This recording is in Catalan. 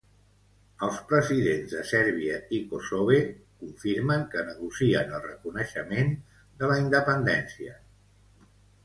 Els presidents de Sèrbia i Kossove confirmen que negocien el reconeixement de la independència.